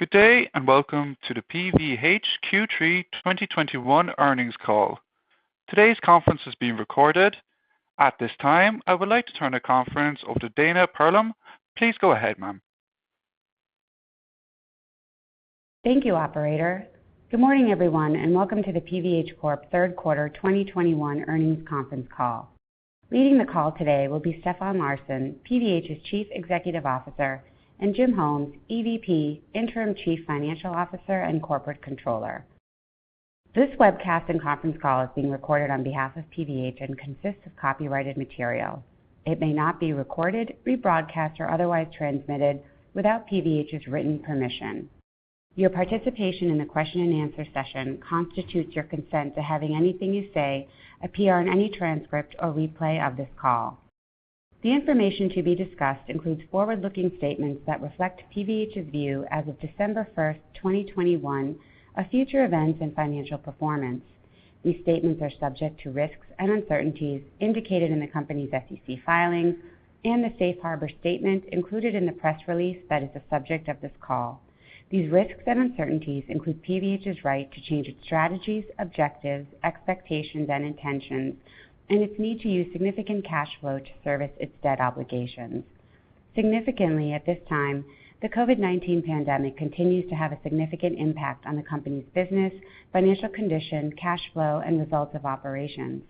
Good day, and welcome to the PVH Q3 2021 earnings call. Today's conference is being recorded. At this time, I would like to turn the conference over to Dana Telsey. Please go ahead, ma'am. Thank you, operator. Good morning, everyone, and welcome to the PVH Corp. third quarter 2021 earnings conference call. Leading the call today will be Stefan Larsson, PVH's Chief Executive Officer, and Jim Holmes, EVP, Interim Chief Financial Officer, and Corporate Controller. This webcast and conference call is being recorded on behalf of PVH and consists of copyrighted material. It may not be recorded, rebroadcast, or otherwise transmitted without PVH's written permission. Your participation in the question-and-answer session constitutes your consent to having anything you say appear in any transcript or replay of this call. The information to be discussed includes forward-looking statements that reflect PVH's view as of December 1, 2021 of future events and financial performance. These statements are subject to risks and uncertainties indicated in the company's SEC filings and the safe harbor statement included in the press release that is the subject of this call. These risks and uncertainties include PVH's right to change its strategies, objectives, expectations, and intentions, and its need to use significant cash flow to service its debt obligations. Significantly, at this time, the COVID-19 pandemic continues to have a significant impact on the company's business, financial condition, cash flow, and results of operations.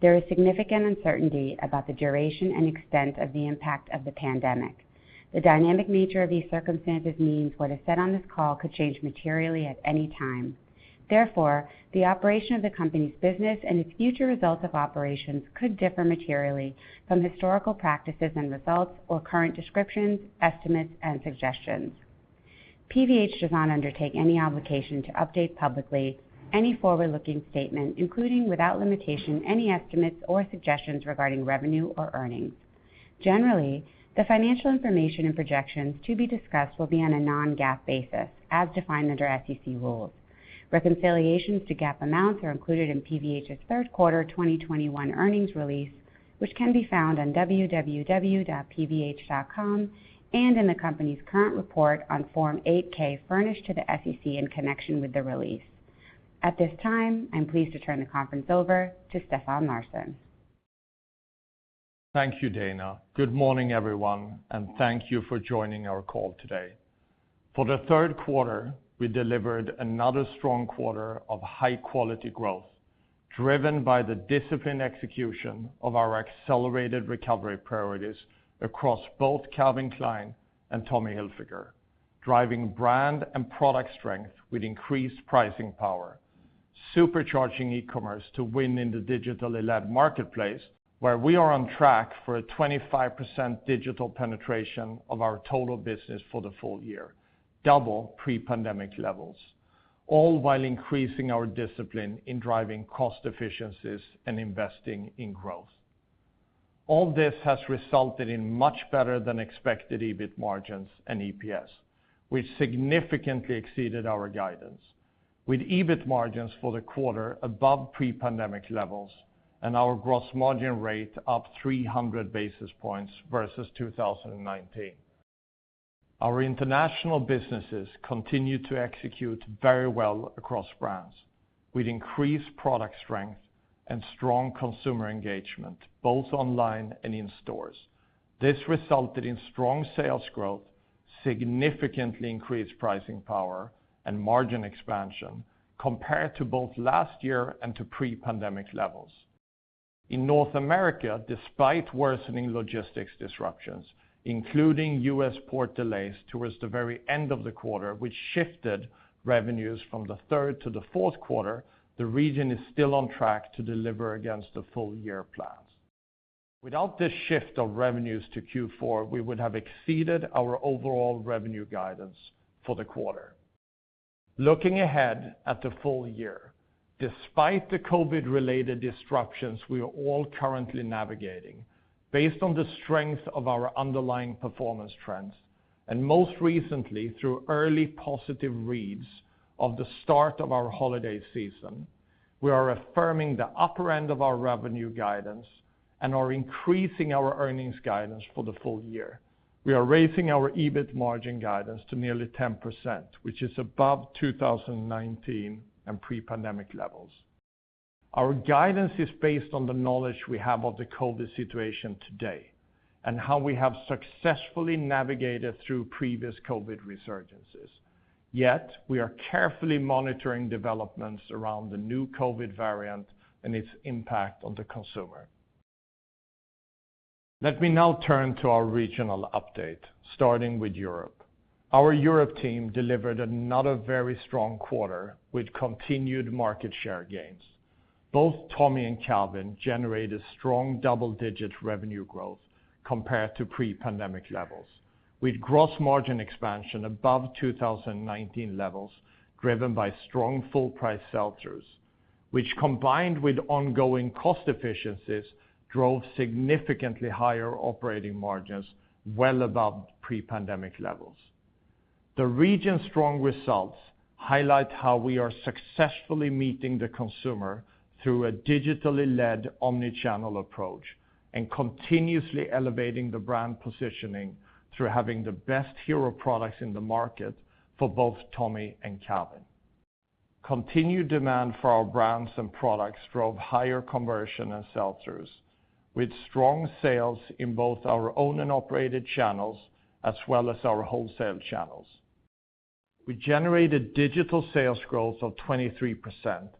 There is significant uncertainty about the duration and extent of the impact of the pandemic. The dynamic nature of these circumstances means what is said on this call could change materially at any time. Therefore, the operation of the company's business and its future results of operations could differ materially from historical practices and results or current descriptions, estimates, and suggestions. PVH does not undertake any obligation to update publicly any forward-looking statement, including, without limitation, any estimates or suggestions regarding revenue or earnings. Generally, the financial information and projections to be discussed will be on a non-GAAP basis as defined under SEC rules. Reconciliations to GAAP amounts are included in PVH's third quarter 2021 earnings release, which can be found on www.pvh.com and in the company's current report on Form 8-K furnished to the SEC in connection with the release. At this time, I'm pleased to turn the conference over to Stefan Larsson. Thank you, Dana. Good morning, everyone, and thank you for joining our call today. For the third quarter, we delivered another strong quarter of high-quality growth, driven by the disciplined execution of our accelerated recovery priorities across both Calvin Klein and Tommy Hilfiger, driving brand and product strength with increased pricing power, supercharging e-commerce to win in the digitally led marketplace, where we are on track for a 25% digital penetration of our total business for the full year, double pre-pandemic levels, all while increasing our discipline in driving cost efficiencies and investing in growth. All this has resulted in much better than expected EBIT margins and EPS, which significantly exceeded our guidance, with EBIT margins for the quarter above pre-pandemic levels and our gross margin rate up 300 basis points versus 2019. Our international businesses continued to execute very well across brands with increased product strength and strong consumer engagement, both online and in stores. This resulted in strong sales growth, significantly increased pricing power, and margin expansion compared to both last year and to pre-pandemic levels. In North America, despite worsening logistics disruptions, including U.S. port delays towards the very end of the quarter, which shifted revenues from the third to the fourth quarter, the region is still on track to deliver against the full year plans. Without this shift of revenues to Q4, we would have exceeded our overall revenue guidance for the quarter. Looking ahead at the full year, despite the COVID-related disruptions we are all currently navigating, based on the strength of our underlying performance trends, and most recently through early positive reads of the start of our holiday season, we are affirming the upper end of our revenue guidance and are increasing our earnings guidance for the full year. We are raising our EBIT margin guidance to nearly 10%, which is above 2019 and pre-pandemic levels. Our guidance is based on the knowledge we have of the COVID situation today and how we have successfully navigated through previous COVID resurgences. Yet we are carefully monitoring developments around the new COVID variant and its impact on the consumer. Let me now turn to our regional update, starting with Europe. Our Europe team delivered another very strong quarter with continued market share gains. Both Tommy and Calvin generated strong double-digit revenue growth compared to pre-pandemic levels, with gross margin expansion above 2019 levels, driven by strong full price sell-throughs, which, combined with ongoing cost efficiencies, drove significantly higher operating margins well above pre-pandemic levels. The region's strong results highlight how we are successfully meeting the consumer through a digitally led omni-channel approach, and continuously elevating the brand positioning through having the best hero products in the market for both Tommy and Calvin. Continued demand for our brands and products drove higher conversion and sell-throughs, with strong sales in both our owned and operated channels, as well as our wholesale channels. We generated digital sales growth of 23%,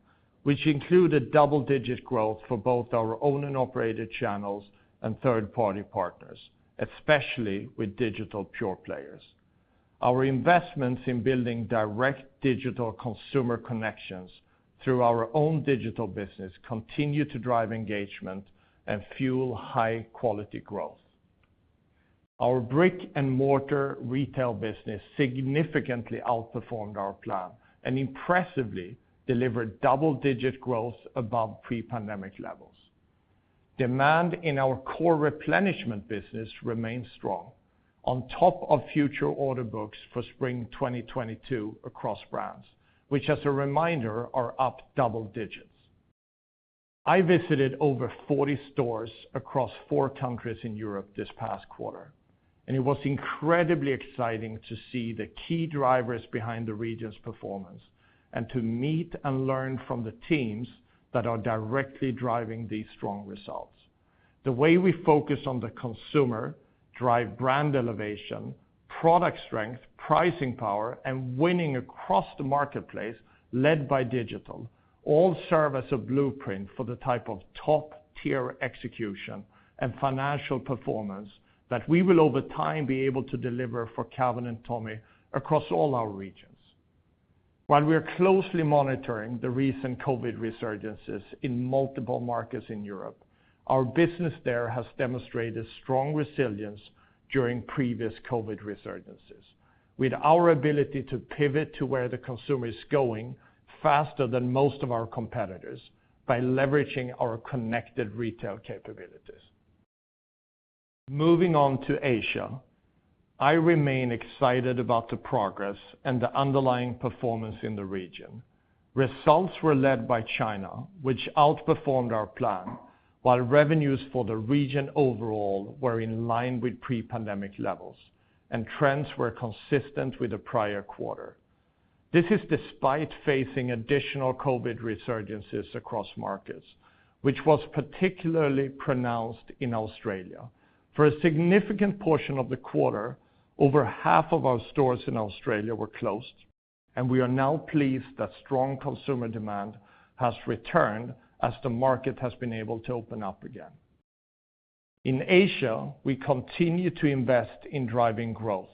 which included double-digit growth for both our owned and operated channels and third party partners, especially with digital pure players. Our investments in building direct digital consumer connections through our own digital business continue to drive engagement and fuel high quality growth. Our brick and mortar retail business significantly outperformed our plan and impressively delivered double-digit growth above pre-pandemic levels. Demand in our core replenishment business remains strong on top of future order books for spring 2022 across brands, which, as a reminder, are up double digits. I visited over 40 stores across four countries in Europe this past quarter, and it was incredibly exciting to see the key drivers behind the region's performance and to meet and learn from the teams that are directly driving these strong results. The way we focus on the consumer, drive brand elevation, product strength, pricing power, and winning across the marketplace, led by digital, all serve as a blueprint for the type of top tier execution and financial performance that we will, over time, be able to deliver for Calvin and Tommy across all our regions. While we are closely monitoring the recent COVID resurgences in multiple markets in Europe, our business there has demonstrated strong resilience during previous COVID resurgences, with our ability to pivot to where the consumer is going faster than most of our competitors by leveraging our connected retail capabilities. Moving on to Asia, I remain excited about the progress and the underlying performance in the region. Results were led by China, which outperformed our plan, while revenues for the region overall were in line with pre-pandemic levels, and trends were consistent with the prior quarter. This is despite facing additional COVID resurgences across markets, which was particularly pronounced in Australia. For a significant portion of the quarter, over half of our stores in Australia were closed, and we are now pleased that strong consumer demand has returned as the market has been able to open up again. In Asia, we continue to invest in driving growth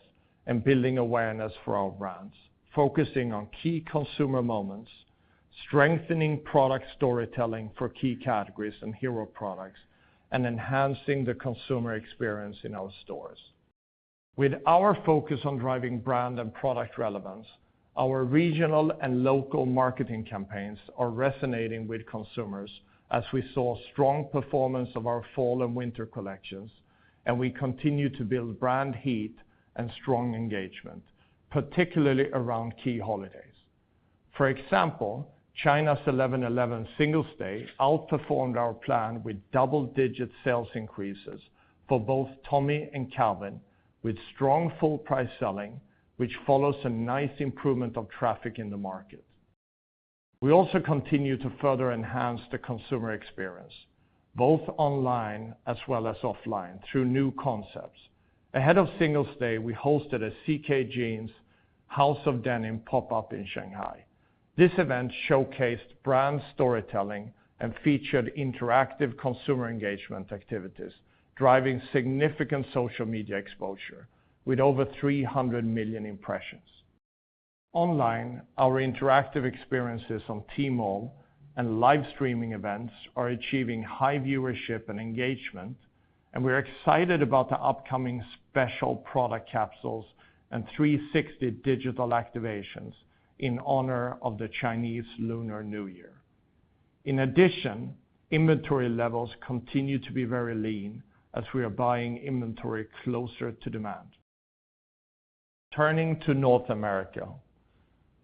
and building awareness for our brands, focusing on key consumer moments, strengthening product storytelling for key categories and hero products, and enhancing the consumer experience in our stores. With our focus on driving brand and product relevance, our regional and local marketing campaigns are resonating with consumers as we saw strong performance of our fall and winter collections, and we continue to build brand heat and strong engagement, particularly around key holidays. For example, China's 11/11 Singles' Day outperformed our plan with double-digit sales increases for both Tommy and Calvin, with strong full price selling, which follows a nice improvement of traffic in the market. We also continue to further enhance the consumer experience, both online as well as offline, through new concepts. Ahead of Singles' Day, we hosted a CK Jeans House of Denim pop-up in Shanghai. This event showcased brand storytelling and featured interactive consumer engagement activities, driving significant social media exposure with over 300 million impressions. Online, our interactive experiences on Tmall and live streaming events are achieving high viewership and engagement, and we're excited about the upcoming special product capsules and 360 digital activations in honor of the Chinese Lunar New Year. In addition, inventory levels continue to be very lean as we are buying inventory closer to demand. Turning to North America,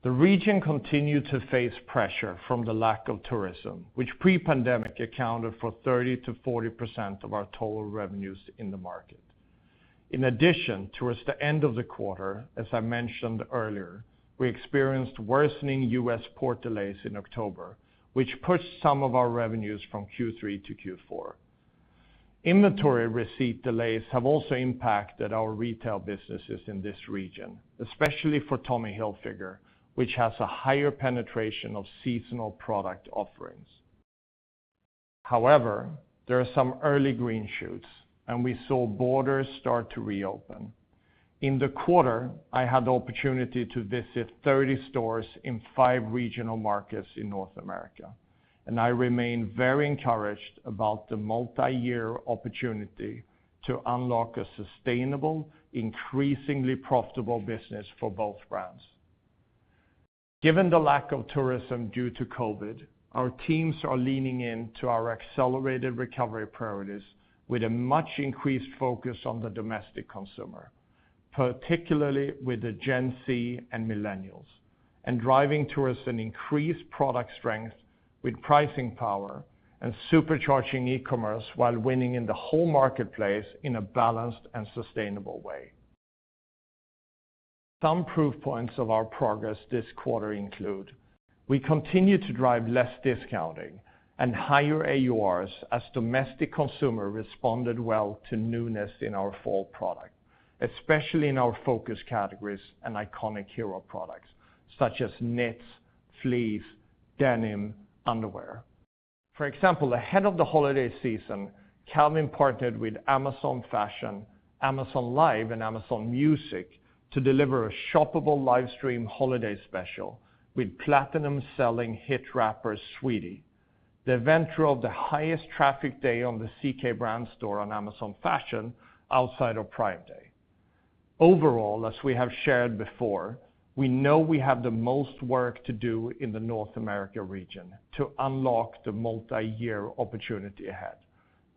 the region continued to face pressure from the lack of tourism, which pre-pandemic accounted for 30%-40% of our total revenues in the market. In addition, towards the end of the quarter, as I mentioned earlier, we experienced worsening U.S. port delays in October, which pushed some of our revenues from Q3 to Q4. Inventory receipt delays have also impacted our retail businesses in this region, especially for Tommy Hilfiger, which has a higher penetration of seasonal product offerings. However, there are some early green shoots, and we saw borders start to reopen. In the quarter, I had the opportunity to visit 30 stores in five regional markets in North America, and I remain very encouraged about the multi-year opportunity to unlock a sustainable, increasingly profitable business for both brands. Given the lack of tourism due to COVID-19, our teams are leaning in to our accelerated recovery priorities with a much increased focus on the domestic consumer. Particularly with the Gen Z and millennials and driving towards an increased product strength with pricing power and supercharging e-commerce while winning in the whole marketplace in a balanced and sustainable way. Some proof points of our progress this quarter include, we continue to drive less discounting and higher AURs as domestic consumer responded well to newness in our fall product, especially in our focus categories and iconic hero products, such as knits, fleece, denim, underwear. For example, ahead of the holiday season, Calvin partnered with Amazon Fashion, Amazon Live, and Amazon Music to deliver a shoppable live stream holiday special with platinum-selling hit rapper Saweetie. The event drove the highest traffic day on the CK brand store on Amazon Fashion outside of Prime Day. Overall, as we have shared before, we know we have the most work to do in the North America region to unlock the multi-year opportunity ahead.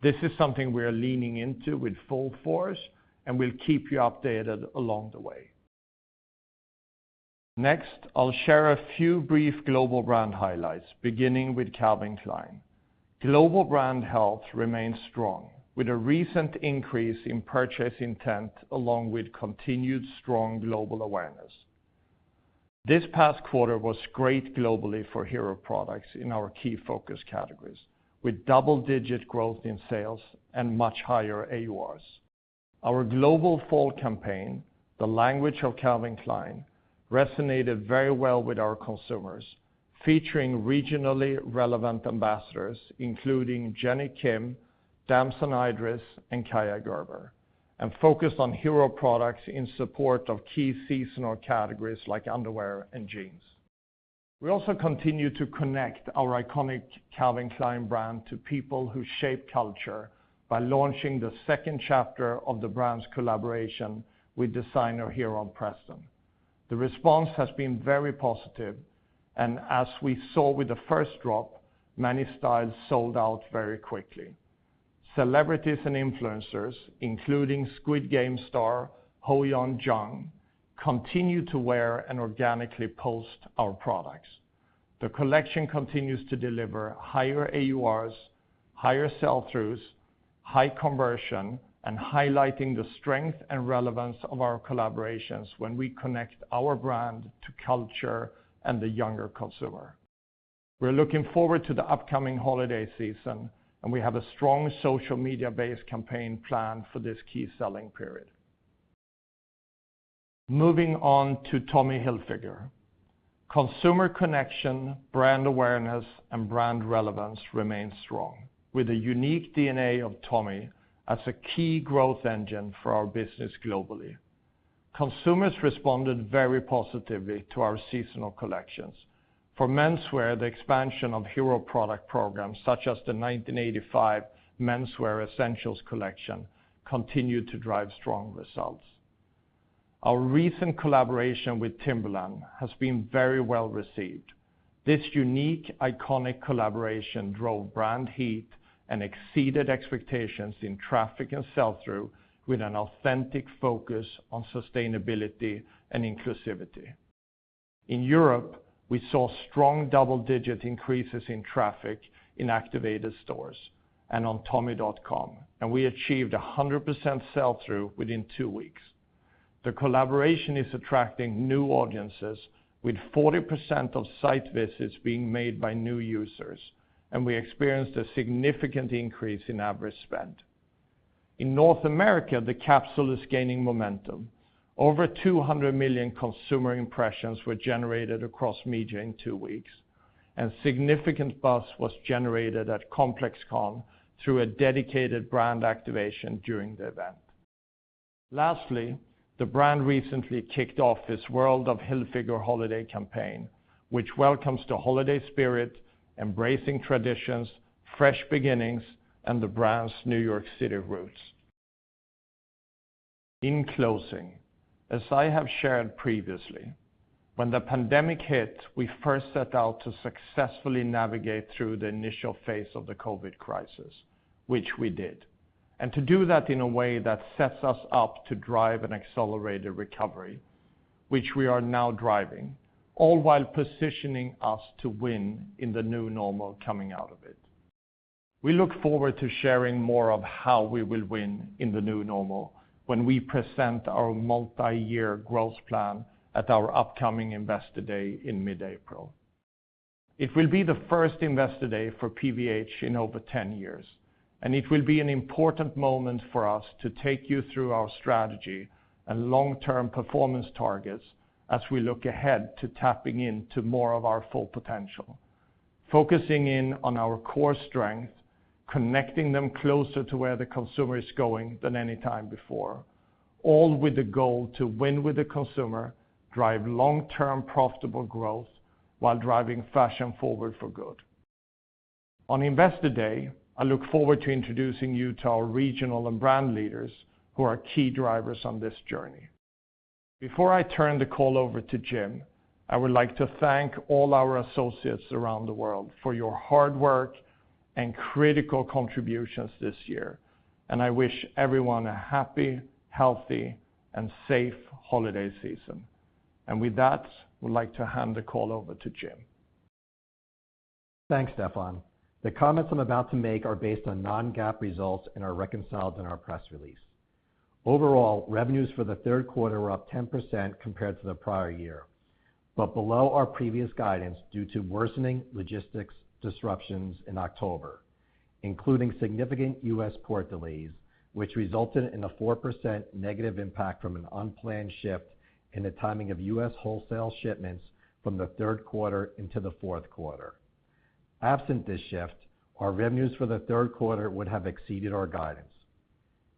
This is something we are leaning into with full force, and we'll keep you updated along the way. Next, I'll share a few brief global brand highlights, beginning with Calvin Klein. Global brand health remains strong with a recent increase in purchase intent along with continued strong global awareness. This past quarter was great globally for hero products in our key focus categories, with double-digit growth in sales and much higher AURs. Our global fall campaign, The Language of Calvin Klein, resonated very well with our consumers, featuring regionally relevant ambassadors, including Jennie Kim, Damson Idris, and Kaia Gerber, and focused on hero products in support of key seasonal categories like underwear and jeans. We also continue to connect our iconic Calvin Klein brand to people who shape culture by launching the second chapter of the brand's collaboration with designer Heron Preston. The response has been very positive, and as we saw with the first drop, many styles sold out very quickly. Celebrities and influencers, including Squid Game star HoYeon Jung, continue to wear and organically post our products. The collection continues to deliver higher AURs, higher sell-throughs, high conversion, and highlighting the strength and relevance of our collaborations when we connect our brand to culture and the younger consumer. We're looking forward to the upcoming holiday season, and we have a strong social media-based campaign plan for this key selling period. Moving on to Tommy Hilfiger. Consumer connection, brand awareness, and brand relevance remains strong, with the unique DNA of Tommy as a key growth engine for our business globally. Consumers responded very positively to our seasonal collections. For menswear, the expansion of hero product programs, such as the 1985 Menswear Essentials collection, continued to drive strong results. Our recent collaboration with Timberland has been very well received. This unique, iconic collaboration drove brand heat and exceeded expectations in traffic and sell-through with an authentic focus on sustainability and inclusivity. In Europe, we saw strong double-digit increases in traffic in activated stores and on tommy.com, and we achieved 100% sell-through within two weeks. The collaboration is attracting new audiences with 40% of site visits being made by new users, and we experienced a significant increase in average spend. In North America, the capsule is gaining momentum. Over 200 million consumer impressions were generated across media in two weeks, and significant buzz was generated at ComplexCon through a dedicated brand activation during the event. Lastly, the brand recently kicked off its WORLD OF HILFIGER holiday campaign, which welcomes the holiday spirit, embracing traditions, fresh beginnings, and the brand's New York City roots. In closing, as I have shared previously, when the pandemic hit, we first set out to successfully navigate through the initial phase of the COVID crisis, which we did, and to do that in a way that sets us up to drive an accelerated recovery, which we are now driving, all while positioning us to win in the new normal coming out of it. We look forward to sharing more of how we will win in the new normal when we present our multi-year growth plan at our upcoming Investor Day in mid-April. It will be the first Investor Day for PVH in over ten years, and it will be an important moment for us to take you through our strategy and long-term performance targets as we look ahead to tapping into more of our full potential. Focusing in on our core strengths, connecting them closer to where the consumer is going than any time before, all with the goal to win with the consumer, drive long-term profitable growth, while driving fashion forward for good. On Investor Day, I look forward to introducing you to our regional and brand leaders who are key drivers on this journey. Before I turn the call over to Jim, I would like to thank all our associates around the world for your hard work and critical contributions this year. I wish everyone a happy, healthy, and safe holiday season. With that, I would like to hand the call over to Jim. Thanks, Stefan. The comments I'm about to make are based on non-GAAP results and are reconciled in our press release. Overall, revenues for the third quarter were up 10% compared to the prior year, but below our previous guidance due to worsening logistics disruptions in October, including significant U.S. port delays, which resulted in a 4% negative impact from an unplanned shift in the timing of U.S. wholesale shipments from the third quarter into the fourth quarter. Absent this shift, our revenues for the third quarter would have exceeded our guidance.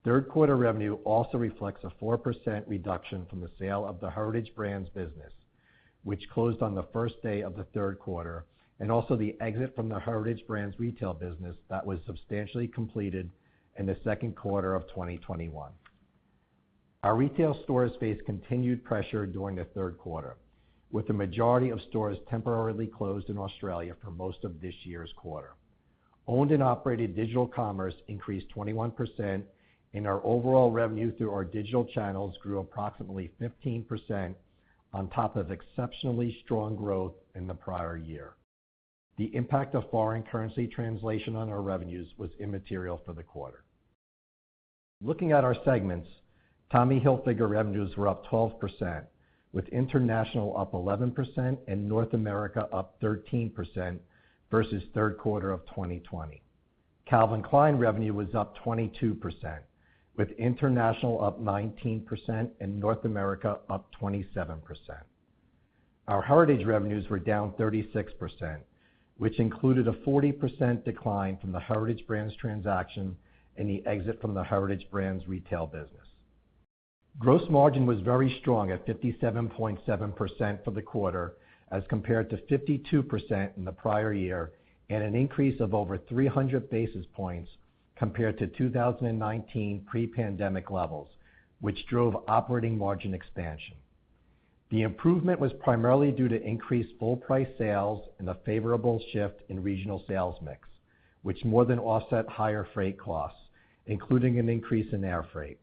Third quarter revenue also reflects a 4% reduction from the sale of the Heritage Brands business, which closed on the first day of the third quarter, and also the exit from the Heritage Brands retail business that was substantially completed in the second quarter of 2021. Our retail stores faced continued pressure during the third quarter, with the majority of stores temporarily closed in Australia for most of this year's quarter. Owned and operated digital commerce increased 21%, and our overall revenue through our digital channels grew approximately 15% on top of exceptionally strong growth in the prior year. The impact of foreign currency translation on our revenues was immaterial for the quarter. Looking at our segments, Tommy Hilfiger revenues were up 12%, with International up 11% and North America up 13% versus third quarter of 2020. Calvin Klein revenue was up 22%, with International up 19% and North America up 27%. Our Heritage revenues were down 36%, which included a 40% decline from the Heritage Brands transaction and the exit from the Heritage Brands retail business. Gross margin was very strong at 57.7% for the quarter as compared to 52% in the prior year and an increase of over 300 basis points compared to 2019 pre-pandemic levels, which drove operating margin expansion. The improvement was primarily due to increased full price sales and a favorable shift in regional sales mix, which more than offset higher freight costs, including an increase in air freight.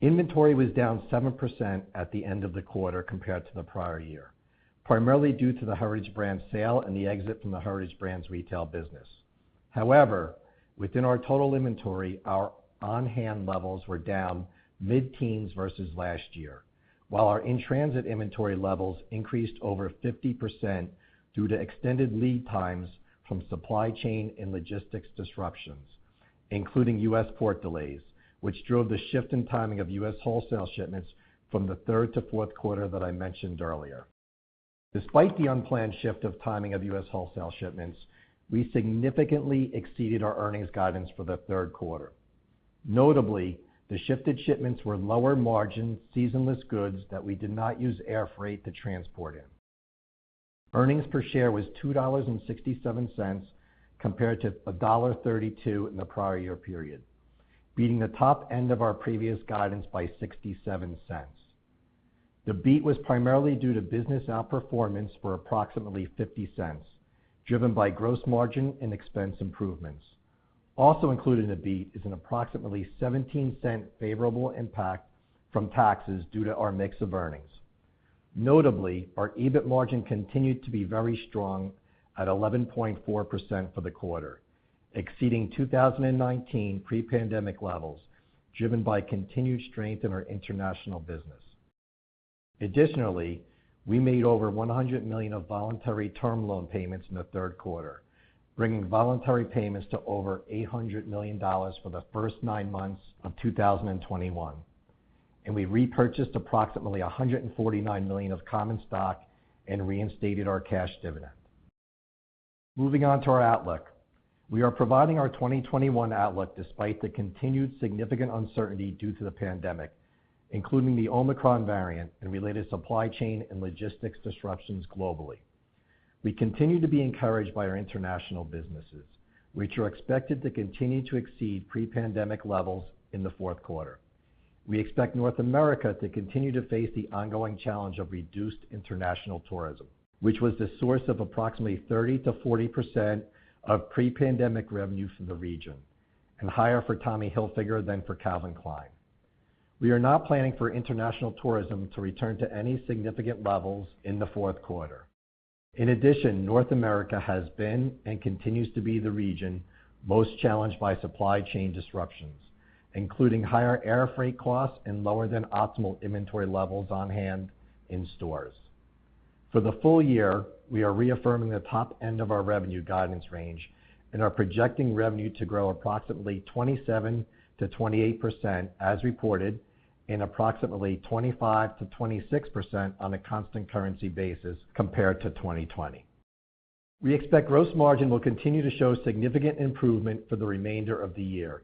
Inventory was down 7% at the end of the quarter compared to the prior year, primarily due to the Heritage Brands sale and the exit from the Heritage Brands retail business. However, within our total inventory, our on-hand levels were down mid-teens versus last year, while our in-transit inventory levels increased over 50% due to extended lead times from supply chain and logistics disruptions, including U.S. port delays, which drove the shift in timing of U.S. wholesale shipments from the third to fourth quarter that I mentioned earlier. Despite the unplanned shift of timing of U.S. wholesale shipments, we significantly exceeded our earnings guidance for the third quarter. Notably, the shifted shipments were lower margin, seasonless goods that we did not use air freight to transport in. Earnings per share was $2.67 compared to $1.32 in the prior year period, beating the top end of our previous guidance by $0.67. The beat was primarily due to business outperformance for approximately $0.50, driven by gross margin and expense improvements. Also included in the beat is an approximately $0.17 favorable impact from taxes due to our mix of earnings. Notably, our EBIT margin continued to be very strong at 11.4% for the quarter, exceeding 2019 pre-pandemic levels, driven by continued strength in our international business. Additionally, we made over $100 million of voluntary term loan payments in the third quarter, bringing voluntary payments to over $800 million for the first nine months of 2021, and we repurchased approximately $149 million of common stock and reinstated our cash dividend. Moving on to our outlook. We are providing our 2021 outlook despite the continued significant uncertainty due to the pandemic, including the Omicron variant and related supply chain and logistics disruptions globally. We continue to be encouraged by our international businesses, which are expected to continue to exceed pre-pandemic levels in the fourth quarter. We expect North America to continue to face the ongoing challenge of reduced international tourism, which was the source of approximately 30%-40% of pre-pandemic revenue from the region and higher for Tommy Hilfiger than for Calvin Klein. We are not planning for international tourism to return to any significant levels in the fourth quarter. In addition, North America has been and continues to be the region most challenged by supply chain disruptions, including higher air freight costs and lower than optimal inventory levels on hand in stores. For the full year, we are reaffirming the top end of our revenue guidance range and are projecting revenue to grow approximately 27%-28% as reported and approximately 25%-26% on a constant currency basis compared to 2020. We expect gross margin will continue to show significant improvement for the remainder of the year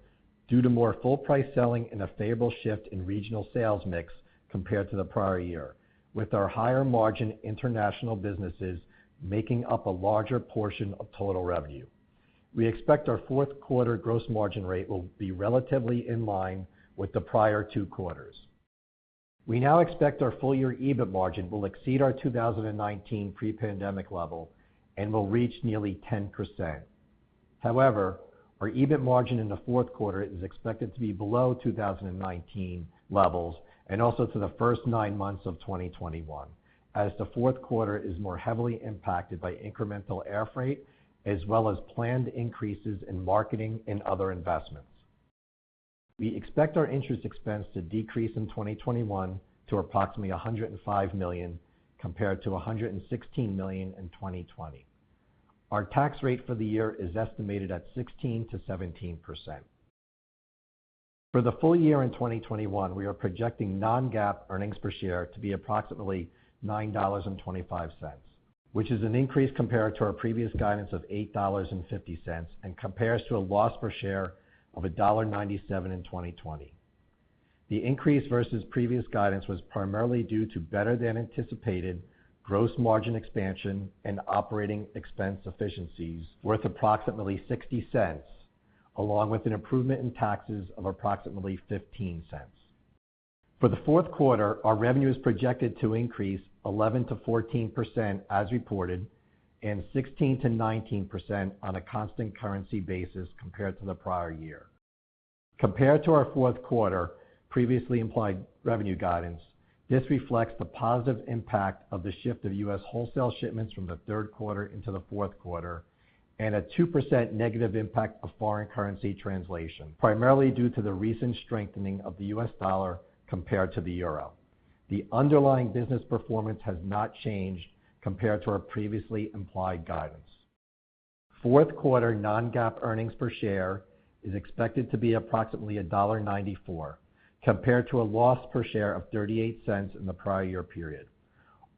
due to more full price selling and a favorable shift in regional sales mix compared to the prior year, with our higher margin international businesses making up a larger portion of total revenue. We expect our fourth quarter gross margin rate will be relatively in line with the prior two quarters. We now expect our full year EBIT margin will exceed our 2019 pre-pandemic level and will reach nearly 10%. However, our EBIT margin in the fourth quarter is expected to be below 2019 levels and also below the first nine months of 2021. As the fourth quarter is more heavily impacted by incremental air freight as well as planned increases in marketing and other investments. We expect our interest expense to decrease in 2021 to approximately $105 million compared to $116 million in 2020. Our tax rate for the year is estimated at 16%-17%. For the full year in 2021, we are projecting non-GAAP earnings per share to be approximately $9.25, which is an increase compared to our previous guidance of $8.50 and compares to a loss per share of $1.97 in 2020. The increase versus previous guidance was primarily due to better than anticipated gross margin expansion and operating expense efficiencies worth approximately $0.60, along with an improvement in taxes of approximately $0.15. For the fourth quarter, our revenue is projected to increase 11%-14% as reported, and 16%-19% on a constant currency basis compared to the prior year. Compared to our fourth quarter previously implied revenue guidance, this reflects the positive impact of the shift of U.S. wholesale shipments from the third quarter into the fourth quarter, and a 2% negative impact of foreign currency translation, primarily due to the recent strengthening of the U.S. dollar compared to the Euro. The underlying business performance has not changed compared to our previously implied guidance. Fourth quarter non-GAAP earnings per share is expected to be approximately $1.94, compared to a loss per share of $0.38 in the prior year period.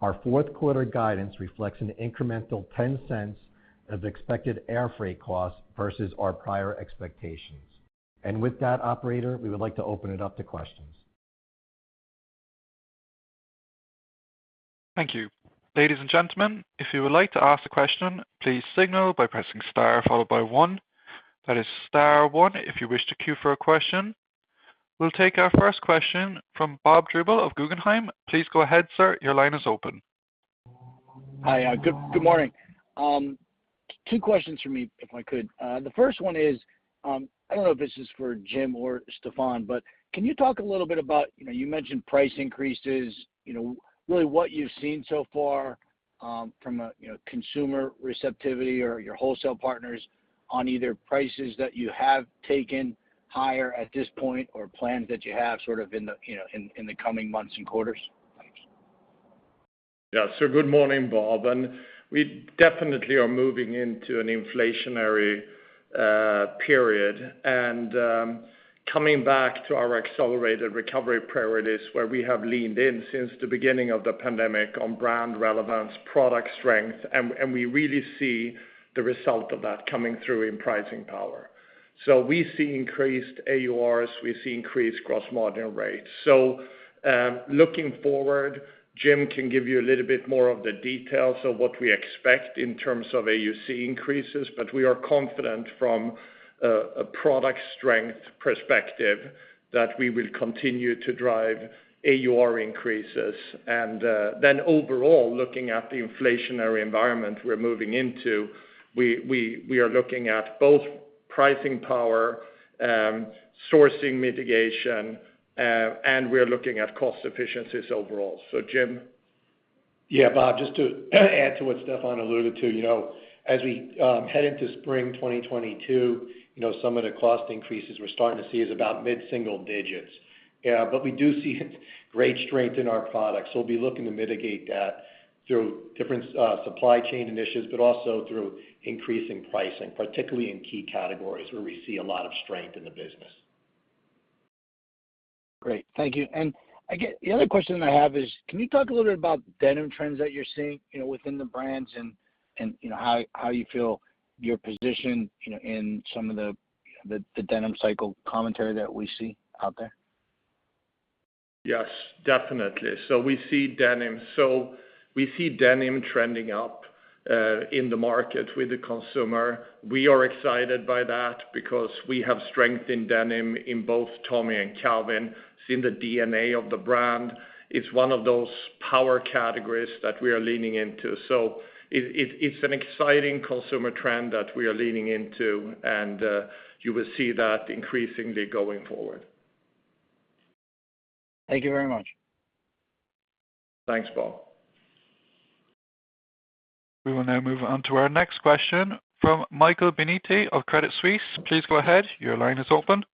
Our fourth quarter guidance reflects an incremental $0.10 of expected air freight cost versus our prior expectations. With that operator, we would like to open it up to questions. We'll take our first question from Bob Drbul of Guggenheim. Please go ahead, sir, your line is open. Hi. Good morning. Two questions from me, if I could. The first one is, I don't know if this is for Jim or Stefan, but can you talk a little bit about, you know, you mentioned price increases, you know, really what you've seen so far, from a, you know, consumer receptivity or your wholesale partners on either prices that you have taken higher at this point or plans that you have sort of in the, you know, in the coming months and quarters? Yeah. Good morning, Bob. We definitely are moving into an inflationary period. Coming back to our accelerated recovery priorities, where we have leaned in since the beginning of the pandemic on brand relevance, product strength, and we really see the result of that coming through in pricing power. We see increased AURs, we see increased gross margin rates. Looking forward, Jim can give you a little bit more of the details of what we expect in terms of AUC increases, but we are confident from a product strength perspective that we will continue to drive AUR increases. Then overall, looking at the inflationary environment we're moving into, we are looking at both pricing power, sourcing mitigation, and we are looking at cost efficiencies overall. Jim. Yeah, Bob, just to add to what Stefan alluded to. You know, as we head into spring 2022, you know, some of the cost increases we're starting to see is about mid-single digits. We do see great strength in our products. We'll be looking to mitigate that through different supply chain initiatives, but also through increasing pricing, particularly in key categories where we see a lot of strength in the business. Great. Thank you. I guess the other question I have is, can you talk a little bit about denim trends that you're seeing, you know, within the brands and, you know, how you feel your position, you know, in some of the denim cycle commentary that we see out there? Yes, definitely. We see denim trending up in the market with the consumer. We are excited by that because we have strength in denim in both Tommy and Calvin. It's in the DNA of the brand. It's one of those power categories that we are leaning into. It's an exciting consumer trend that we are leaning into, and you will see that increasingly going forward. Thank you very much. Thanks, Bob. We will now move on to our next question from Michael Binetti of Credit Suisse. Please go ahead. Your line is open.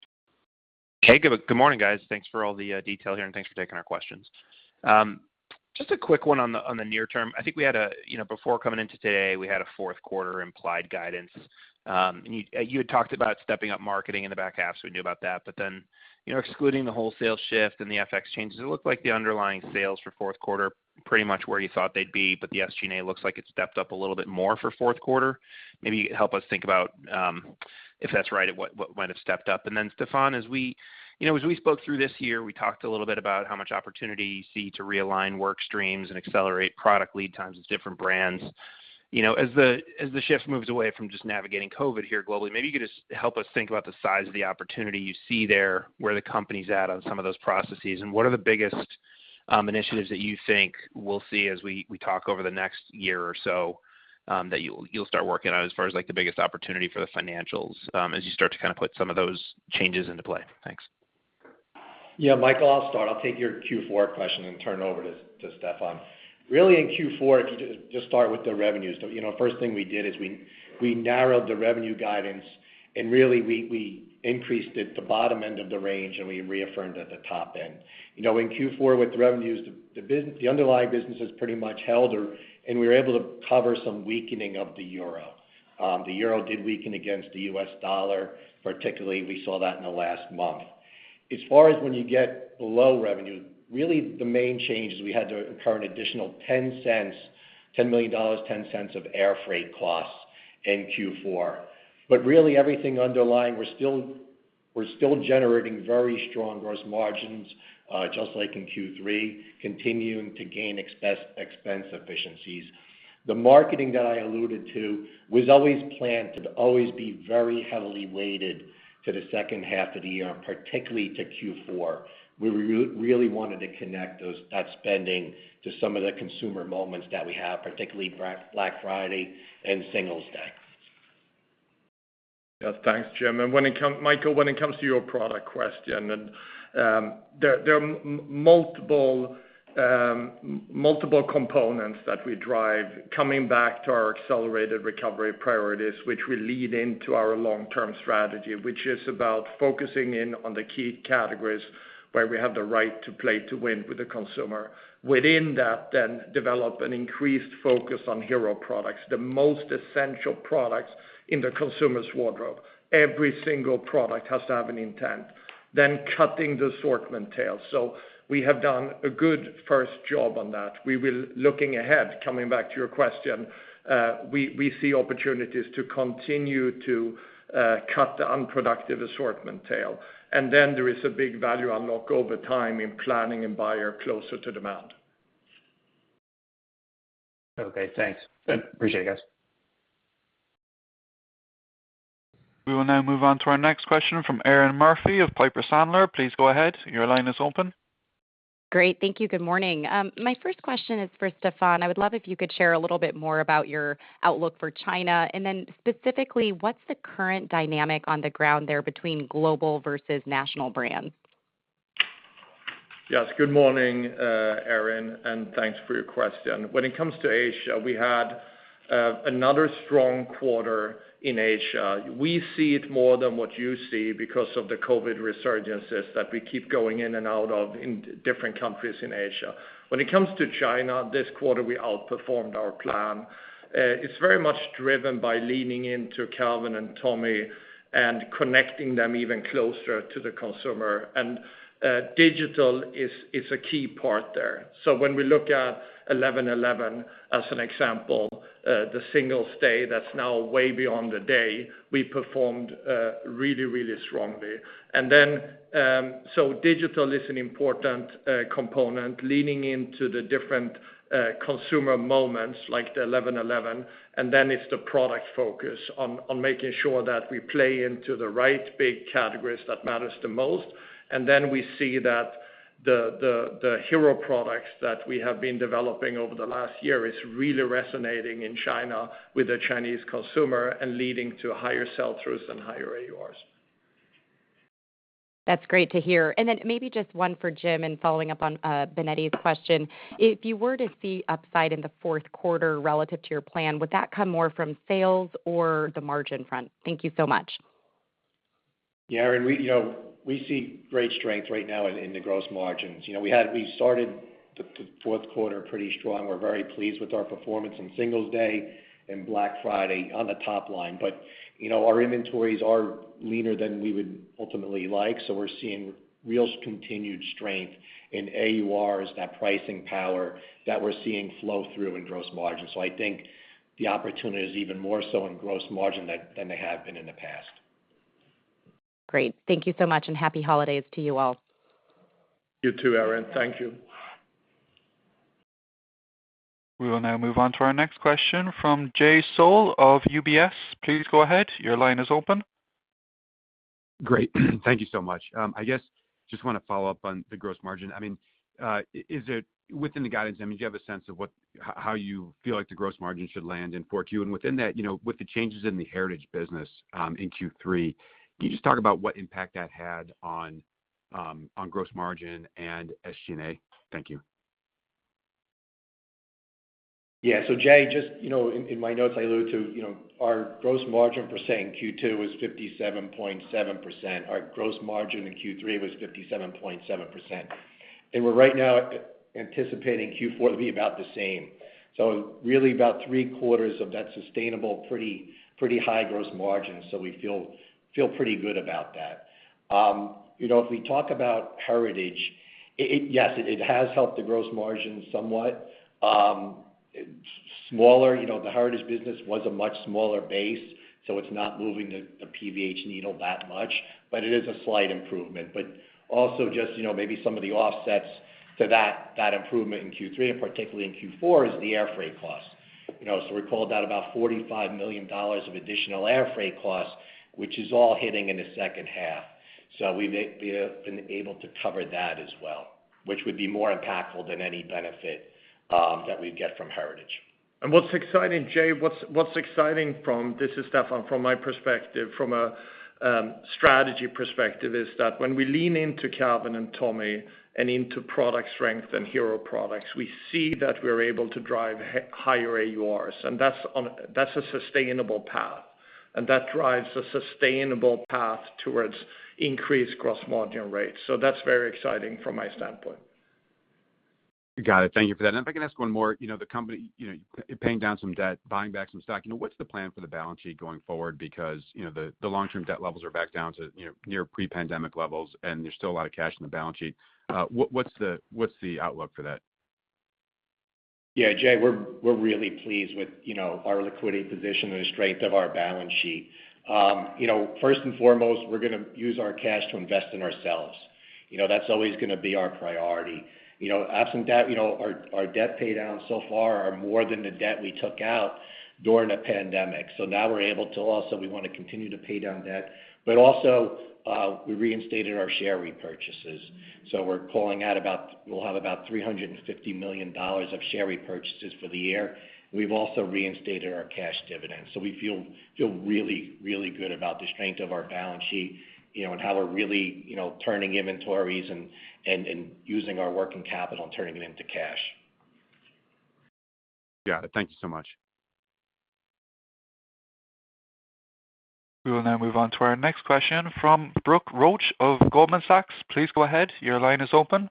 Hey, good morning, guys. Thanks for all the detail here, and thanks for taking our questions. Just a quick one on the near term. I think, you know, before coming into today, we had a fourth quarter implied guidance. You had talked about stepping up marketing in the back half, so we knew about that. You know, excluding the wholesale shift and the FX changes, it looked like the underlying sales for fourth quarter pretty much were you thought they'd be, but the SG&A looks like it stepped up a little bit more for fourth quarter. Maybe help us think about if that's right, and what, when it stepped up. Stefan, as we, you know, as we spoke through this year, we talked a little bit about how much opportunity you see to realign work streams and accelerate product lead times with different brands. You know, as the shift moves away from just navigating COVID here globally, maybe you could just help us think about the size of the opportunity you see there, where the company's at on some of those processes, and what are the biggest initiatives that you think we'll see as we talk over the next year or so, that you'll start working on as far as, like, the biggest opportunity for the financials, as you start to kinda put some of those changes into play? Thanks. Yeah. Michael, I'll start. I'll take your Q4 question and turn it over to Stefan. Really in Q4, if you just start with the revenues. You know, the first thing we did is we narrowed the revenue guidance, and really we increased it at the bottom end of the range, and we reaffirmed at the top end. You know, in Q4 with the revenues, the underlying business has pretty much held. We were able to cover some weakening of the euro. The euro did weaken against the US dollar, particularly, we saw that in the last month. As far as when you get below revenue, really the main change is we had to incur an additional $0.10, $10 million, $0.10 of air freight costs in Q4. Really everything underlying, we're still generating very strong gross margins, just like in Q3, continuing to gain expense efficiencies. The marketing that I alluded to was always planned to always be very heavily weighted to the second half of the year, and particularly to Q4. We really wanted to connect that spending to some of the consumer moments that we have, particularly Black Friday and Singles' Day. Yes, thanks, Jim. When it comes to your product question, there are multiple components that we drive coming back to our accelerated recovery priorities, which will lead into our long-term strategy, which is about focusing in on the key categories where we have the right to play to win with the consumer. Within that, develop an increased focus on hero products, the most essential products in the consumer's wardrobe. Every single product has to have an intent. Cutting the assortment tail. We have done a good first job on that. Looking ahead, coming back to your question, we see opportunities to continue to cut the unproductive assortment tail. Then there is a big value unlock over time in planning and buying closer to demand. Okay, thanks. Appreciate it, guys. We will now move on to our next question from Erinn Murphy of Piper Sandler. Please go ahead. Your line is open. Great. Thank you. Good morning. My first question is for Stefan. I would love if you could share a little bit more about your outlook for China, and then specifically, what's the current dynamic on the ground there between global versus national brands? Yes. Good morning, Erinn, and thanks for your question. When it comes to Asia, we had another strong quarter in Asia. We see it more than what you see because of the COVID resurgences that we keep going in and out of in different countries in Asia. When it comes to China, this quarter we outperformed our plan. It's very much driven by leaning into Calvin and Tommy and connecting them even closer to the consumer. Digital is a key part there. When we look at 11/11, as an example, the Singles' Day that's now way beyond the day, we performed really, really strongly. Digital is an important component, leaning into the different consumer moments like the eleven eleven, and then it's the product focus on making sure that we play into the right big categories that matters the most. We see that the hero products that we have been developing over the last year is really resonating in China with the Chinese consumer and leading to higher sell-throughs and higher AURs. That's great to hear. Maybe just one for Jim and following up on Binetti's question. If you were to see upside in the fourth quarter relative to your plan, would that come more from sales or the margin front? Thank you so much. Yeah, Erinn, we, you know, we see great strength right now in the gross margins. You know, we started the fourth quarter pretty strong. We're very pleased with our performance on Singles' Day and Black Friday on the top line. You know, our inventories are leaner than we would ultimately like. We're seeing real continued strength in AUR as that pricing power that we're seeing flow through in gross margins. I think the opportunity is even more so in gross margin than they have been in the past. Great. Thank you so much, and happy holidays to you all. You too, Erinn. Thank you. We will now move on to our next question from Jay Sole of UBS. Please go ahead. Your line is open. Great. Thank you so much. I guess, just wanna follow up on the gross margin. I mean, is it within the guidance? I mean, do you have a sense of how you feel like the gross margin should land in 4Q? Within that, you know, with the changes in the Heritage business, in Q3, can you just talk about what impact that had on gross margin and SG&A? Thank you. Yeah, Jay, just in my notes, I alluded to our gross margin percent in Q2 was 57.7%. Our gross margin in Q3 was 57.7%. We're right now anticipating Q4 to be about the same. Really about three-quarters of that sustainable, pretty high gross margin. We feel pretty good about that. If we talk about Heritage, it yes, it has helped the gross margin somewhat. It's smaller. The Heritage business was a much smaller base, so it's not moving the PVH needle that much, but it is a slight improvement. Also just maybe some of the offsets to that improvement in Q3 and particularly in Q4 is the airfreight cost. You know, we called that about $45 million of additional airfreight costs, which is all hitting in the second half. We been able to cover that as well, which would be more impactful than any benefit that we'd get from Heritage. What's exciting, Jay, from my perspective, from a strategy perspective, is that when we lean into Calvin and Tommy and into product strength and hero products, we see that we're able to drive higher AURs. That's a sustainable path, and that drives a sustainable path towards increased gross margin rates. That's very exciting from my standpoint. Got it. Thank you for that. If I can ask one more. You know, the company, you know, you're paying down some debt, buying back some stock. You know, what's the plan for the balance sheet going forward? Because, you know, the long-term debt levels are back down to, you know, near pre-pandemic levels, and there's still a lot of cash in the balance sheet. What's the outlook for that? Yeah, Jay, we're really pleased with, you know, our liquidity position and the strength of our balance sheet. You know, first and foremost, we're gonna use our cash to invest in ourselves. You know, that's always gonna be our priority. You know, absent debt, you know, our debt pay down so far are more than the debt we took out during the pandemic. Now we want to continue to pay down debt. Also, we reinstated our share repurchases. We'll have about $350 million of share repurchases for the year. We've also reinstated our cash dividends. We feel really good about the strength of our balance sheet, you know, and how we're really, you know, turning inventories and using our working capital and turning it into cash. Got it. Thank you so much. We will now move on to our next question from Brooke Roach of Goldman Sachs. Please go ahead. Your line is open.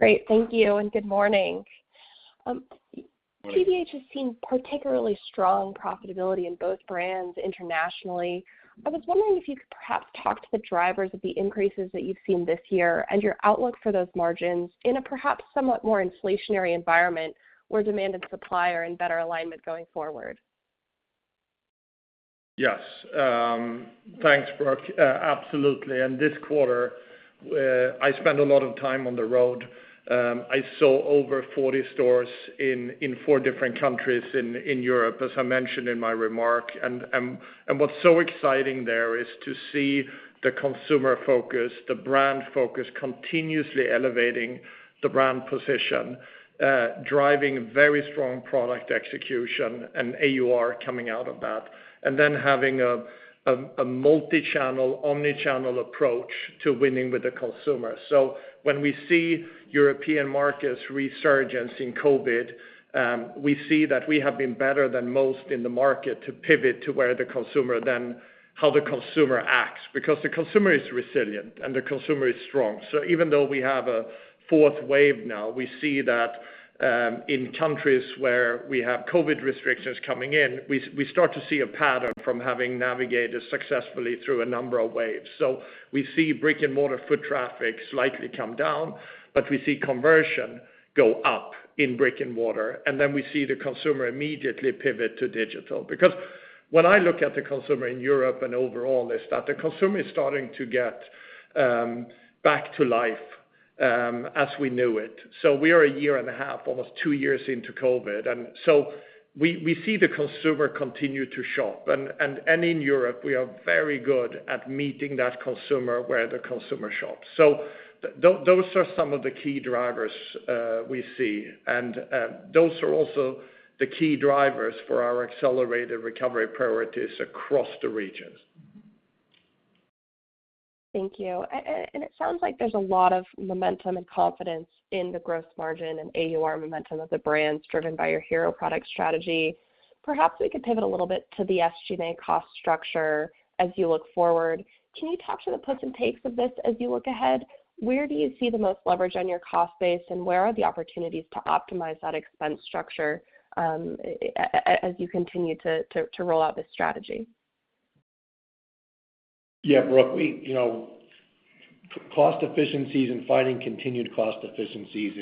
Great. Thank you, and good morning. Morning. PVH has seen particularly strong profitability in both brands internationally. I was wondering if you could perhaps talk to the drivers of the increases that you've seen this year and your outlook for those margins in a perhaps somewhat more inflationary environment where demand and supply are in better alignment going forward. Yes. Thanks, Brooke. Absolutely. This quarter, I spent a lot of time on the road. I saw over 40 stores in four different countries in Europe, as I mentioned in my remark. What's so exciting there is to see the consumer focus, the brand focus continuously elevating the brand position, driving very strong product execution and AUR coming out of that. Then having a multi-channel, omni-channel approach to winning with the consumer. When we see European markets resurgence in COVID, we see that we have been better than most in the market to pivot to where the consumer, to how the consumer acts, because the consumer is resilient and the consumer is strong. Even though we have a fourth wave now, we see that in countries where we have COVID restrictions coming in, we start to see a pattern from having navigated successfully through a number of waves. We see brick-and-mortar foot traffic slightly come down, but we see conversion go up in brick-and-mortar, and then we see the consumer immediately pivot to digital. Because when I look at the consumer in Europe and overall is that the consumer is starting to get back to life as we knew it. We are a year and a half, almost two years into COVID. We see the consumer continue to shop. In Europe, we are very good at meeting that consumer where the consumer shops. Those are some of the key drivers we see. Those are also the key drivers for our accelerated recovery priorities across the regions. Thank you. It sounds like there's a lot of momentum and confidence in the gross margin and AUR momentum of the brands driven by your hero product strategy. Perhaps we could pivot a little bit to the SG&A cost structure as you look forward. Can you talk to the puts and takes of this as you look ahead? Where do you see the most leverage on your cost base, and where are the opportunities to optimize that expense structure, as you continue to roll out this strategy? Yeah, Brooke. You know, cost efficiencies and finding continued cost efficiencies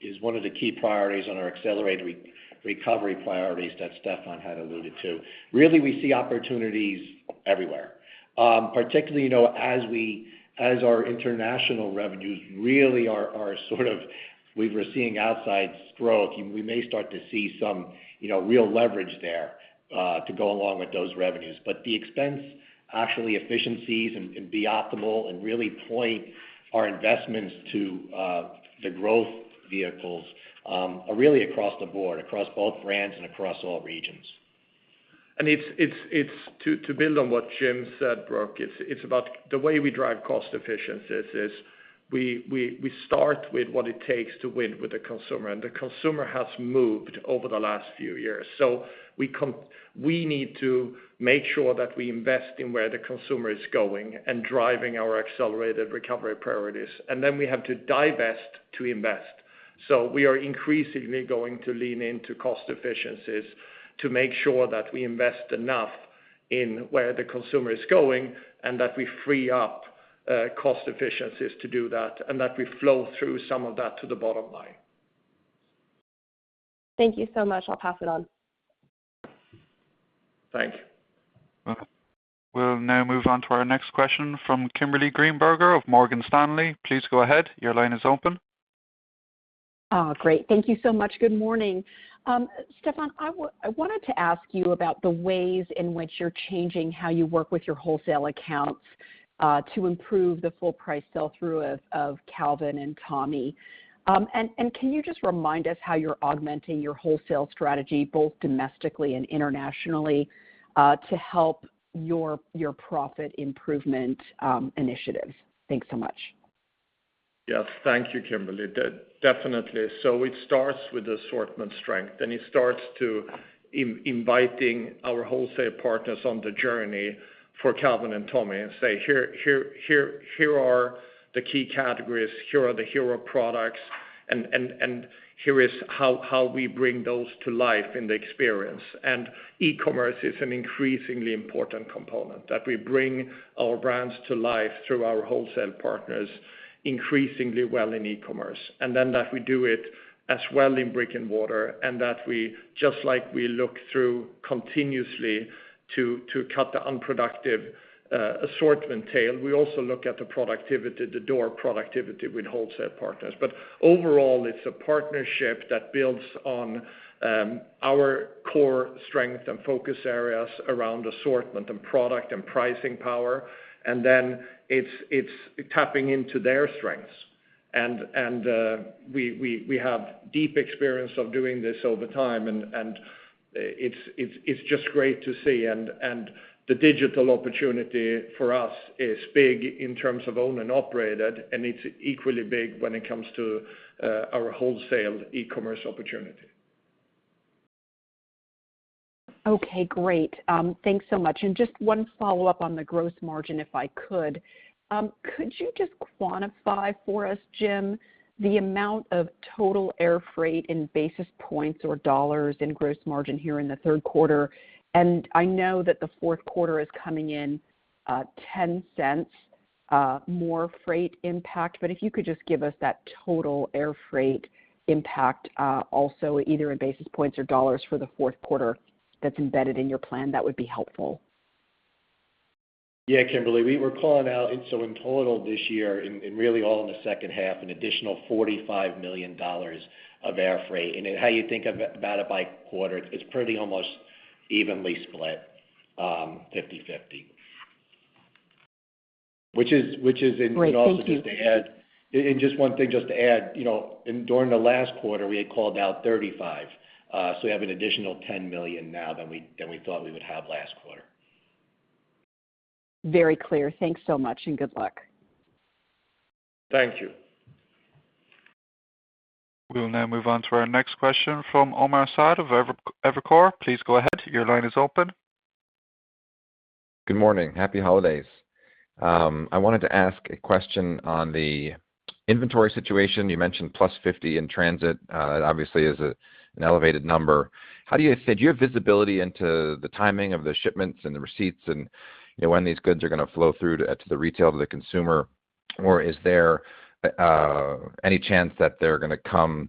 is one of the key priorities on our accelerated recovery priorities that Stefan had alluded to. Really, we see opportunities everywhere. Particularly, you know, as our international revenues really are sort of, we're seeing outsized growth, we may start to see some, you know, real leverage there to go along with those revenues. The actual expense efficiencies and to be optimal and really point our investments to the growth vehicles are really across the board, across both brands and across all regions. To build on what Jim said, Brooke, it's about the way we drive cost efficiencies is we start with what it takes to win with the consumer, and the consumer has moved over the last few years. We need to make sure that we invest in where the consumer is going and driving our accelerated recovery priorities. We have to divest to invest. We are increasingly going to lean into cost efficiencies to make sure that we invest enough in where the consumer is going and that we free up cost efficiencies to do that, and that we flow through some of that to the bottom line. Thank you so much. I'll pass it on. Thank you. We'll now move on to our next question from Kimberly Greenberger of Morgan Stanley. Please go ahead. Your line is open. Oh, great. Thank you so much. Good morning. Stefan, I wanted to ask you about the ways in which you're changing how you work with your wholesale accounts to improve the full price sell-through of Calvin and Tommy. Can you just remind us how you're augmenting your wholesale strategy, both domestically and internationally, to help your profit improvement initiatives? Thanks so much. Yes, thank you, Kimberly. Definitely. It starts with assortment strength, and it starts to inviting our wholesale partners on the journey for Calvin and Tommy and say, "Here are the key categories, here are the hero products, and here is how we bring those to life in the experience." E-commerce is an increasingly important component that we bring our brands to life through our wholesale partners, increasingly well in e-commerce, and then that we do it as well in brick-and-mortar, and that we just like we look through continuously to cut the unproductive assortment tail. We also look at the productivity, the door productivity with wholesale partners. Overall, it's a partnership that builds on our core strength and focus areas around assortment and product and pricing power. Then it's tapping into their strengths. We have deep experience of doing this over time, and it's just great to see. The digital opportunity for us is big in terms of owned and operated, and it's equally big when it comes to our wholesale e-commerce opportunity. Okay, great. Thanks so much. Just one follow-up on the gross margin, if I could. Could you just quantify for us, Jim, the amount of total air freight in basis points or dollars in gross margin here in the third quarter? I know that the fourth quarter is coming in $0.10 more freight impact. If you could just give us that total air freight impact, also either in basis points or dollars for the fourth quarter that's embedded in your plan, that would be helpful. Yeah, Kimberly. We were calling out, and so in total this year and really all in the second half, an additional $45 million of air freight. How you think about it by quarter, it's pretty almost evenly split, 50/50. Which is. Great. Thank you. Just one thing to add, you know, during the last quarter, we had called out $35 million. So we have an additional $10 million now than we thought we would have last quarter. Very clear. Thanks so much, and good luck. Thank you. We will now move on to our next question from Omar Saad of Evercore. Please go ahead. Your line is open. Good morning. Happy holidays. I wanted to ask a question on the inventory situation. You mentioned +50 in transit. That obviously is an elevated number. Did you have visibility into the timing of the shipments and the receipts and, you know, when these goods are gonna flow through to the retail to the consumer? Or is there any chance that they're gonna come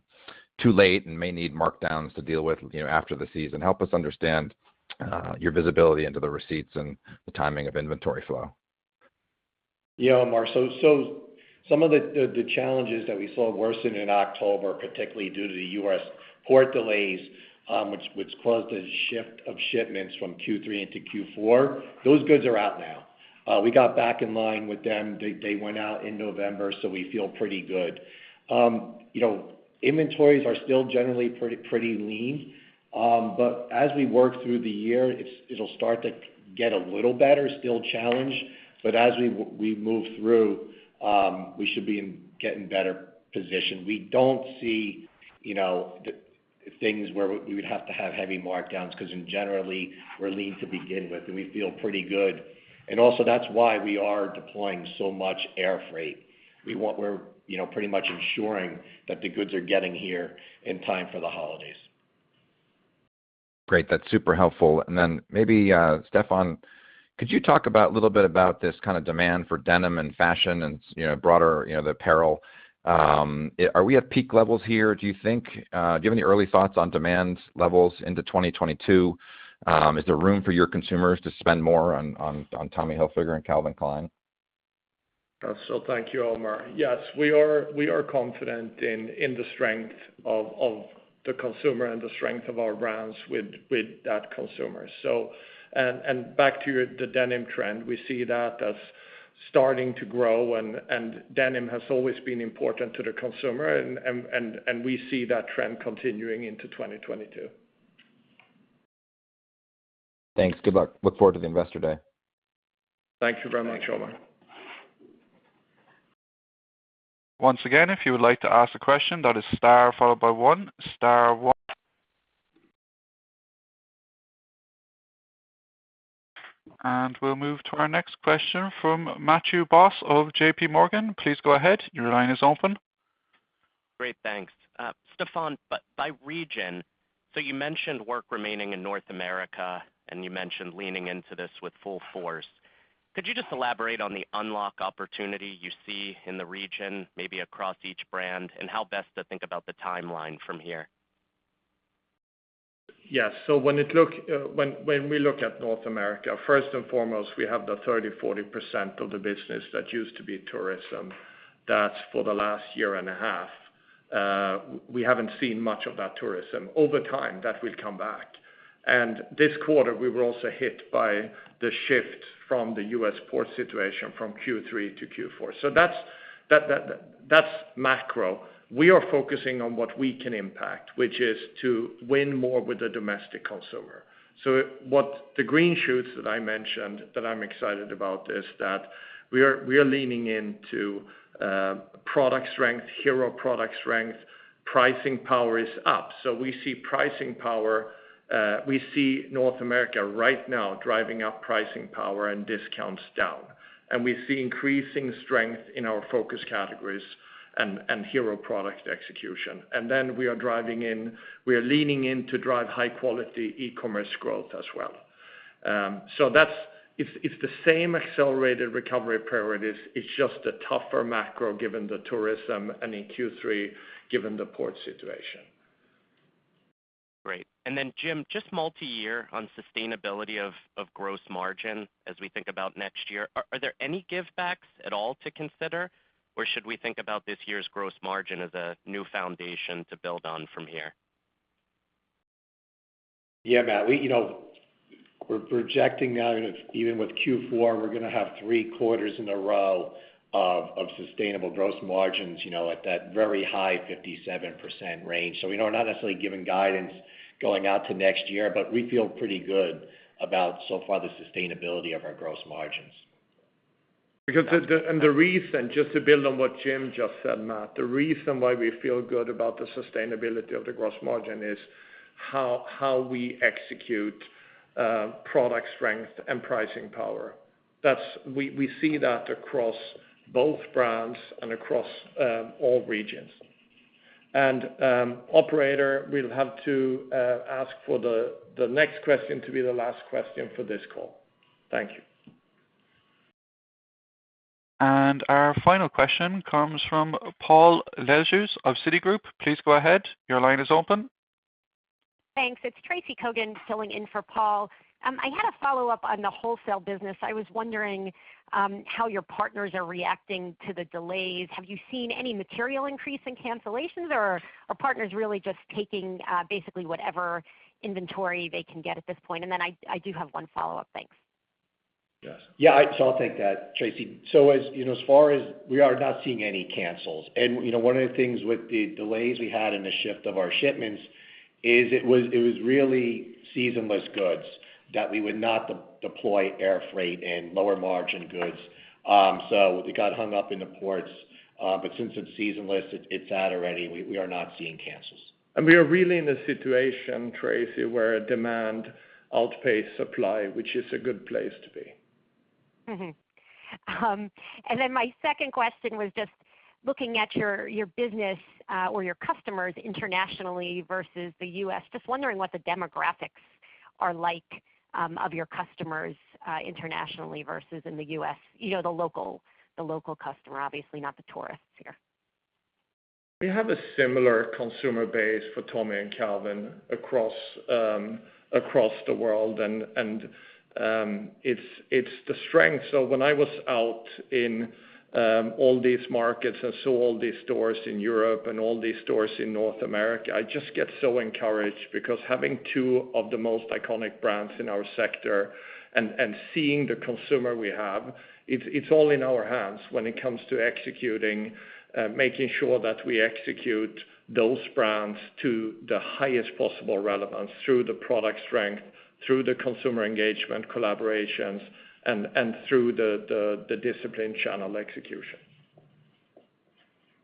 too late and may need markdowns to deal with, you know, after the season? Help us understand your visibility into the receipts and the timing of inventory flow. Yeah, Omar. Some of the challenges that we saw worsen in October, particularly due to the U.S. port delays, which caused a shift of shipments from Q3 into Q4, those goods are out now. We got back in line with them. They went out in November, so we feel pretty good. You know, inventories are still generally pretty lean. As we work through the year, it'll start to get a little better, still challenged. As we move through, we should get in better position. We don't see, you know, things where we would have to have heavy markdowns because generally we're lean to begin with, and we feel pretty good. Also that's why we are deploying so much air freight. We're, you know, pretty much ensuring that the goods are getting here in time for the holidays. Great. That's super helpful. Then maybe, Stefan, could you talk about a little bit about this kinda demand for denim and fashion and, you know, broader, you know, the apparel? Are we at peak levels here, do you think? Do you have any early thoughts on demand levels into 2022? Is there room for your consumers to spend more on Tommy Hilfiger and Calvin Klein? Thank you, Omar. Yes, we are confident in the strength of the consumer and the strength of our brands with that consumer. Back to the denim trend, we see that as starting to grow, and denim has always been important to the consumer, and we see that trend continuing into 2022. Thanks. Good luck. I look forward to the Investor Day. Thank you very much, Omar. We'll move to our next question from Matthew Boss of JPMorgan. Please go ahead. Your line is open. Great, thanks. Stefan, by region, so you mentioned work remaining in North America, and you mentioned leaning into this with full force. Could you just elaborate on the unlock opportunity you see in the region, maybe across each brand, and how best to think about the timeline from here? Yes. When we look at North America, first and foremost, we have the 30-40% of the business that used to be tourism. That's for the last year and a half. We haven't seen much of that tourism. Over time, that will come back. This quarter, we were also hit by the shift from the U.S. port situation from Q3 to Q4. That's macro. We are focusing on what we can impact, which is to win more with the domestic consumer. What the green shoots that I mentioned that I'm excited about is that we are leaning into product strength, hero product strength. Pricing power is up. We see pricing power. We see North America right now driving up pricing power and discounts down. We see increasing strength in our focus categories and hero product execution. We are leaning in to drive high quality e-commerce growth as well. That's the same accelerated recovery priorities. It's just a tougher macro given the tourism, and in Q3, given the port situation. Great. Then Jim, just multi-year on sustainability of gross margin as we think about next year. Are there any givebacks at all to consider, or should we think about this year's gross margin as a new foundation to build on from here? Yeah, Matt, we, you know, we're projecting now, you know, even with Q4, we're gonna have three quarters in a row of sustainable gross margins, you know, at that very high 57% range. You know, we're not necessarily giving guidance going out to next year, but we feel pretty good about so far the sustainability of our gross margins. The reason, just to build on what Jim just said, Matt, the reason why we feel good about the sustainability of the gross margin is how we execute, product strength and pricing power. That's, we see that across both brands and across all regions. Operator, we'll have to ask for the next question to be the last question for this call. Thank you. Our final question comes from Paul Lejuez of Citigroup. Please go ahead. Your line is open. Thanks. It's Tracy Kogan filling in for Paul. I had a follow-up on the wholesale business. I was wondering how your partners are reacting to the delays. Have you seen any material increase in cancellations, or are partners really just taking basically whatever inventory they can get at this point? I do have one follow-up. Thanks. Yes. Yeah, I'll take that, Tracy. You know, as far as we are not seeing any cancels. You know, one of the things with the delays we had and the shift of our shipments is it was really seasonless goods that we would not redeploy air freight and lower margin goods. It got hung up in the ports. Since it's seasonless, it's out already. We are not seeing cancels. We are really in a situation, Tracy, where demand outpaced supply, which is a good place to be. My second question was just looking at your business or your customers internationally versus the U.S. Just wondering what the demographics are like of your customers internationally versus in the U.S. You know, the local customer, obviously not the tourists here. We have a similar consumer base for Tommy and Calvin across the world. It's the strength. When I was out in all these markets and saw all these stores in Europe and all these stores in North America, I just get so encouraged because having two of the most iconic brands in our sector and seeing the consumer we have, it's all in our hands when it comes to executing, making sure that we execute those brands to the highest possible relevance through the product strength, through the consumer engagement collaborations, and through the disciplined channel execution.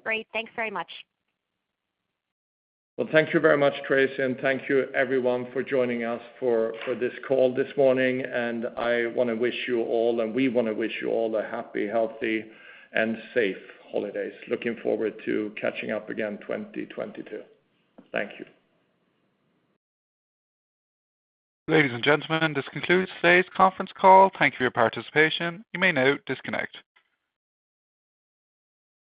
Great. Thanks very much. Well, thank you very much, Tracy, and thank you everyone for joining us for this call this morning. I wanna wish you all, and we wanna wish you all a happy, healthy, and safe holidays. Looking forward to catching up again in 2022. Thank you. Ladies and gentlemen, this concludes today's conference call. Thank you for your participation. You may now disconnect.